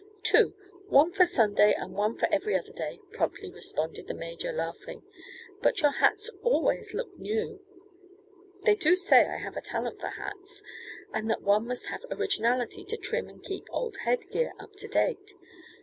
"Two, one for Sunday and one for every day," promptly responded the major, laughing. "But your hats always look new " "They do say I have talent for hats, and that one must have originality to trim and keep old head gear up to date.